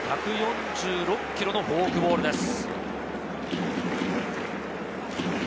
１４６キロのフォークボールです。